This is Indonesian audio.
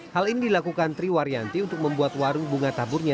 hal ini dilakukan triwaryanti untuk membuat warung bunga taburnya